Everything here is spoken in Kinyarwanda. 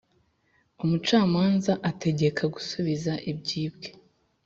umucamanza ategeka gusubiza ibyibwe.